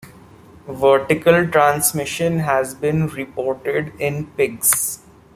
Vertical transmission has been reported in pigs.